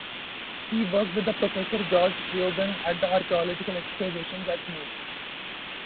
He worked with Professor George Eogan at the archaeological excavations at Knowth.